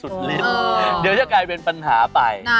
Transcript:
เดี๋ยวจะเป็นปัญหาไป